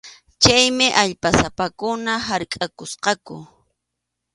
Chaymi allpasapakuna harkʼakusqaku.